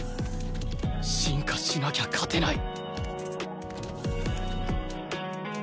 進化しなきゃ勝てない！